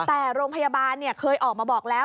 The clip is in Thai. แต่โรงพยาบาลเคยออกมาบอกแล้ว